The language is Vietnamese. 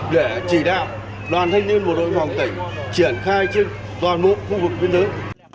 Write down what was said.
để chỉ đạo đoàn thanh niên bộ đội biên phòng tỉnh triển khai trên toàn bộ khu vực biên giới